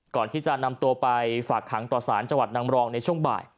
ก่อนที่จะนำตัวไปฝากขังต่อสารจังหวัดนางรองในช่วงบ่าย